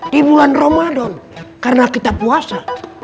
di bulan ramadan karena kita puasa